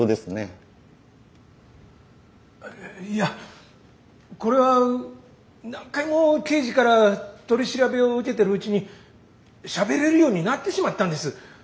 いやこれは何回も刑事から取り調べを受けてるうちにしゃべれるようになってしまったんです。